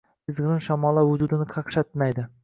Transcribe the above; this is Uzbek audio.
Izg’irin shamollar vujudini qaqshatmaydi.